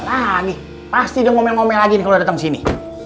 wah dia lagi pasti dia ngomel ngomel lagi nih kalau datang sini